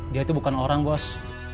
dia itu bukan orang bos